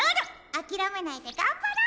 あきらめないでがんばろうよ！